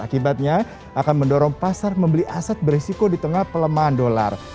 akibatnya akan mendorong pasar membeli aset berisiko di tengah pelemahan dolar